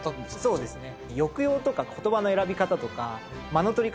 そうですね。